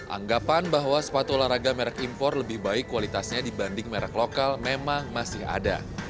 anggapan bahwa sepatu olahraga merek impor lebih baik kualitasnya dibanding merek lokal memang masih ada